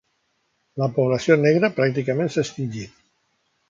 La població negra pràcticament s'ha extingit.